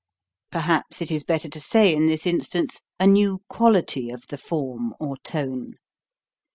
Perhaps it is better to say in this instance : a new quality of the form or tone.